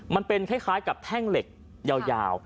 มันเป็นคล้ายกับแท่งเหล็กยาว